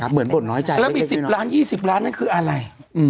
เหมือนบทน้อยใจแล้วมีสิบล้านยี่สิบล้านนั้นคืออะไร